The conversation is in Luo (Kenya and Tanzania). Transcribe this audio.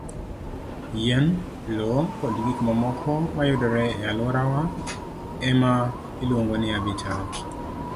Yien, lowo, kod gik mamoko ma yudore e alworawa e ma iluongo ni habitat.